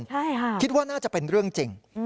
ใช่ค่ะคิดว่าน่าจะเป็นเรื่องจริง